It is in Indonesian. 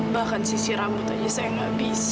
bahkan sisi rambut saja saya juga gak bisa